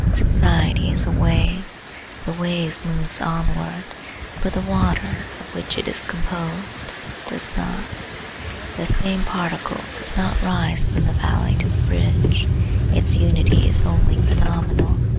Society is a wave. The wave moves onward, but the water of which it is composed does not. The same particle does not rise from the valley to the ridge. Its unity is only phenomenal.